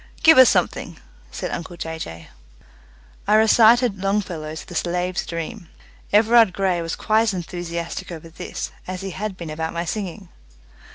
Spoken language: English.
"Give us something," said uncle Jay Jay. I recited Longfellow's "The Slave's Dream". Everard Grey was quite as enthusiastic over this as he had been about my singing.